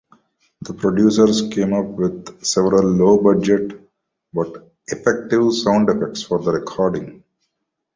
The producers came up with several low-budget but effective sound effects for the recording.